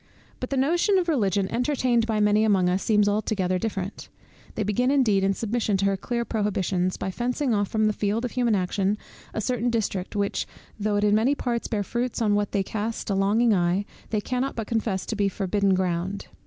But the notion of Religion entertained by many among us seems altogether different. They begin indeed, in submission to her clear prohibitions, by fencing off from the field of human action, a certain district, which, though it in many parts bear fruits on which they cast a longing eye, they cannot but confess to be forbidden ground.